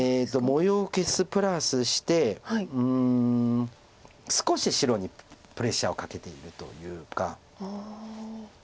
模様を消すプラスしてうん少し白にプレッシャーをかけているというか。